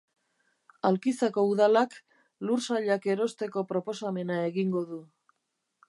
Alkizako Udalak lur sailak erosteko proposamena egingo du.